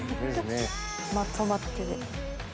まとまって。